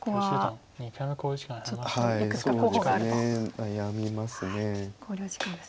悩みます。